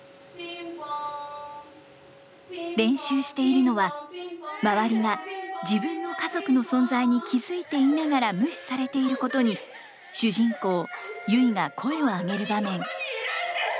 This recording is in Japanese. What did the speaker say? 練習しているのは周りが自分の家族の存在に気付いていながら無視されていることに主人公ゆいが声を上げる場面。